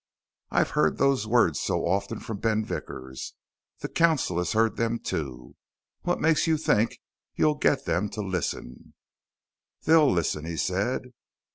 "I've heard those words so often from Ben Vickers. The council has heard them, too. What makes you think you'll get them to listen?" "They'll listen," he said.